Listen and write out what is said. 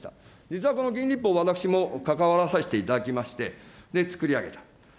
実はこの議員立法、私も関わらさせていただきまして、作り上げた。